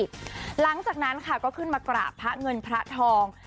และหลังจากนั้นขึ้นมากราบพระเงินพระทอง